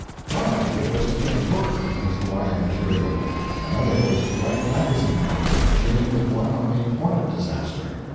One idea was to make a book from his Hawaiian material. Another was to write magazine articles, beginning with one on the Hornet disaster.